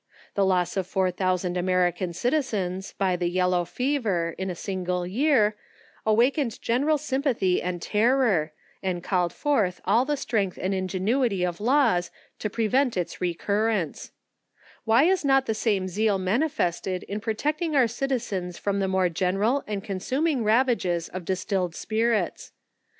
The loss of 4000 American citizens, by the yel low fever, in a single year, awakened general sympathy and terror, and called forth all the strength and ingenuity of laws, to prevent its recurrence^ Why is not the same zeal manifested in protecting our citizens from the more general and consuming ravages of distilled spirits